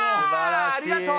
ありがとう。